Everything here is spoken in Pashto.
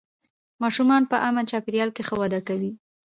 ماشومان په امن چاپېریال کې ښه وده کوي